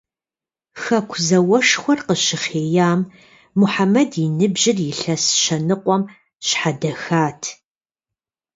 Хэку зауэшхуэр къыщыхъеям, Мухьэмэд и ныбжьыр илъэс щэ ныкъуэм щхьэдэхат.